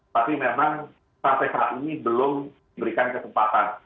tapi memang sasaran ini belum memberikan kesempatan